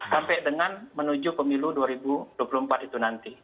sampai dengan menuju pemilu dua ribu dua puluh empat itu nanti